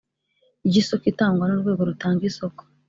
Ry isoko itangwa n urwego rutanga isoko